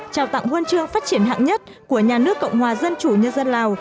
trao tặng huân chương phát triển hạng nhất của nhà nước cộng hòa dân chủ nhân dân lào